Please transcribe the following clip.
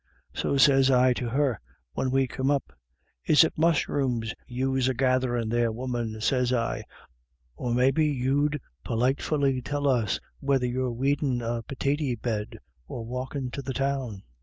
So sez I to her, when we come up : 'Is it musheroons yous are gatherin' there, woman ?' sez I, c or maybe you'd politefully tell us whether you're weedin' a pitatie bed or walkin' to the Town.'